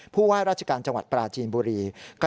ผู้ว่าราชการจังหวัดปราจีนบุรี